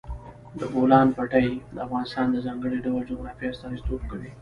د بولان پټي د افغانستان د ځانګړي ډول جغرافیه استازیتوب کوي.